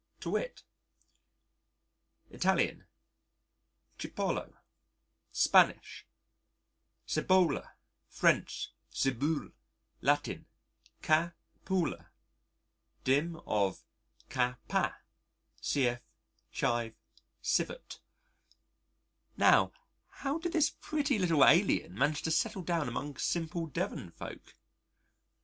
To wit: Italian: Cipollo. Spanish: Cebolla. French: Ciboule. Latin: Cæpulla, dim. of cæpa (cf. cive, civot). Now how did this pretty little alien manage to settle down among simple Devon folk?